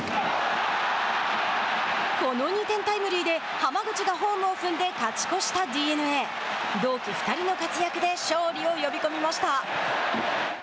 この２点タイムリーで浜口がホームを踏んで勝ち越したＤｅＮＡ同期２人の活躍で勝利を呼び込みました。